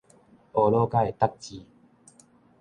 呵咾甲會觸舌